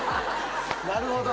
なるほど。